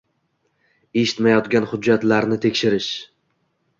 etishmayotgan hujjatlarni tekshirish;